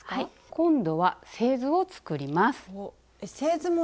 今度は製図を作ります。